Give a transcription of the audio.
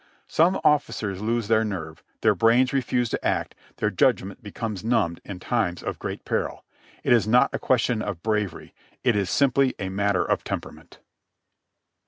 Some officers lose their nerve, their brains refuse to act, their judgment becomes numbed in times of great peril. It is not a question of bravery — it is simply a matter of temperament.